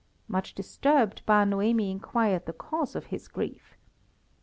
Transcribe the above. Much disturbed, Bar Noemi inquired the cause of his grief.